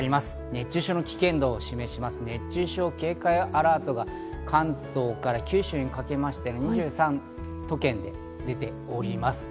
熱中症の危険度を示す熱中症警戒アラートが、関東から九州にかけまして２３都県で出ております。